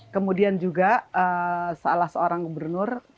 kemudian juga salah seorang gubernur